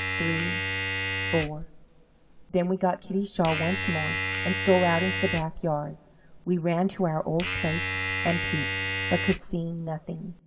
three! four! Then we got Kitty's shawl once more, and stole out into the backyard. We ran to our old place, and peeped, but could see nothing.